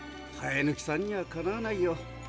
はえぬきさんにはかなわないよ。